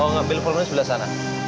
oh ngambil formnya sebelah sana